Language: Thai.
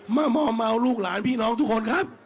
มามอบเอาลูกหลานพี่น้องทุกคนครับ